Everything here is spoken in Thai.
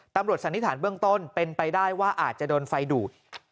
สันนิษฐานเบื้องต้นเป็นไปได้ว่าอาจจะโดนไฟดูด